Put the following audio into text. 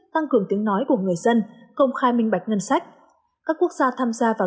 tăng cường tiếng nói của người dân công khai minh bạch ngân sách các quốc gia tham gia vào